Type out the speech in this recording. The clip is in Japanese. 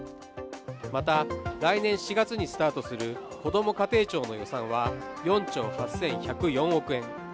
また来年４月にスタートするこども家庭庁の予算は４兆８１０４億円。